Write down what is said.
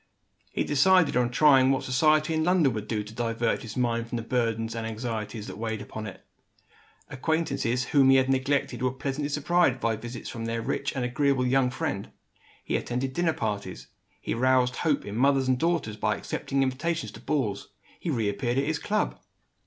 He decided on trying what society in London would do to divert his mind from the burdens and anxieties that weighed on it. Acquaintances whom he had neglected were pleasantly surprised by visits from their rich and agreeable young friend. He attended dinner parties; he roused hope in mothers and daughters by accepting invitations to balls; he reappeared at his club.